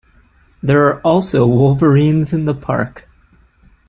There are also wolverines in the park.